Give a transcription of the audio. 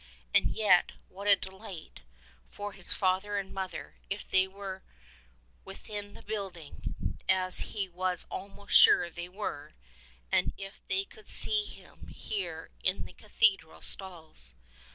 And yet — what a delight for his father and mother if they were within the building (as he was almost sure they were) and if they could see him here in the cathedral stalls